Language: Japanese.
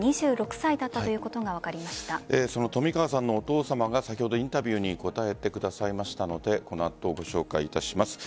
２６歳だったということが冨川さんのお父さまが先ほど、インタビューに答えてくださいましたのでこの後、ご紹介いたします。